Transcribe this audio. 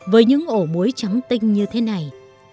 với những ổ muối chấm tinh như thế này